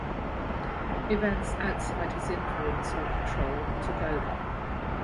Events outside his influence or control took over.